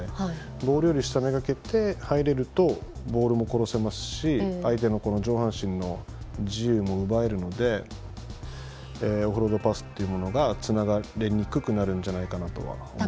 ボールより下をめがけて入るとボールも殺せますし相手の上半身の自由も奪えるのでオフロードパスというのがつながりにくくなるんじゃないかと思います。